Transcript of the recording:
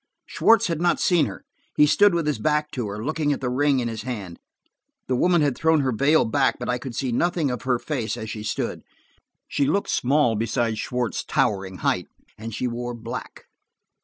Schwartz had not seen her. He stood with his back to her, looking at the ring in his hand. The woman had thrown her veil back, but I could see nothing of her face as she stood. She looked small beside Schwartz's towering height, and she wore black.